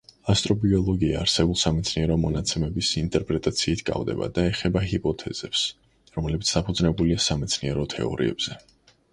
ასტრობიოლოგია არსებულ სამეცნიერო მონაცემების ინტერპრეტაციით კავდება და ეხება ჰიპოთეზებს, რომლებიც დაფუძნებულია სამეცნიერო თეორიებზე.